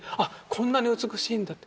こんなに美しいんだって。